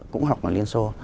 cũng học ở liên xô